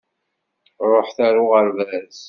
Ṛuḥet ar uɣerbaz!